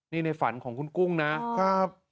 นี่ในฝันของคุณกุ้งนะครับ